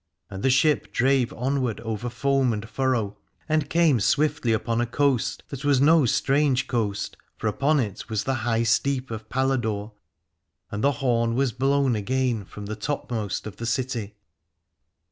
And the ship drave onward over foam and furrow and came swiftly upon a coast that was no strange coast : for upon it was the High Steep of Paladore, and the horn was blown again from the topmost of the city.